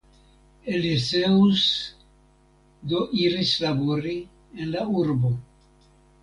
Eleseus do iris labori en la urbo.